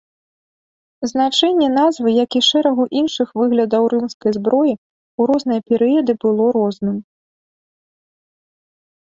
Значэнне назвы, як і шэрагу іншых выглядаў рымскай зброі, у розныя перыяды было розным.